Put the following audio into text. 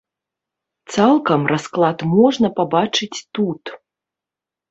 Цалкам расклад можна пабачыць тут.